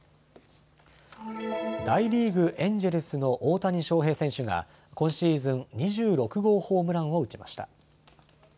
大リーグ、エンジェルスの大谷翔平選手が今シーズン２６号ホームランを打ちました。